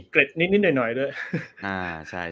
เกร็ดนิดนิดหน่อย